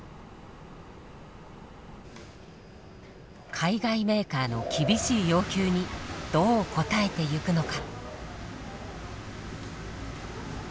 海外メーカーの厳しい要求にどう応えていくのか。